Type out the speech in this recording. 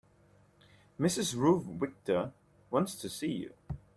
Mrs. Ruth Victor wants to see you.